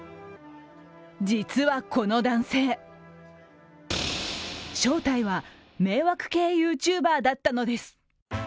実はこの男性、正体は迷惑系ＹｏｕＴｕｂｅｒだったのです。